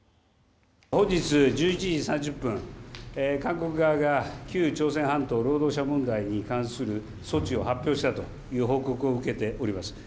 本日１１時３０分、韓国側が旧朝鮮半島労働者問題に関する措置を発表したという報告を受けております。